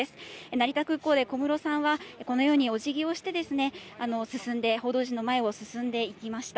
成田空港で小室さんは、このようにおじぎをして、進んで、報道陣の前を進んでいきました。